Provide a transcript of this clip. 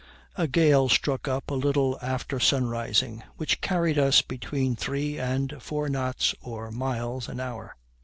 A gale struck up a little after sunrising, which carried us between three and four knots or miles an hour.